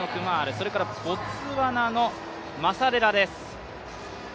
それからボツワナのマサレラです。